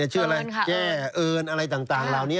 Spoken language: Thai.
ชื่ออะไรแจ้เอิญอะไรต่างเหล่านี้